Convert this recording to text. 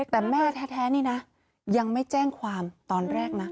แต่แม่แท้นี่นะยังไม่แจ้งความตอนแรกนะ